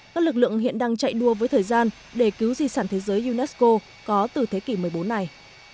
các lực lượng hiện đang chạy đua với thời gian để cứu di sản thế giới unesco có từ thế kỷ một mươi bốn này